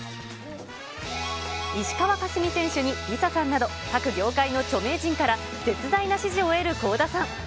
石川佳純選手にＬｉＳＡさんなど、各業界の著名人から絶大な支持を得る倖田さん。